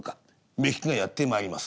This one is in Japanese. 目利きがやって参ります。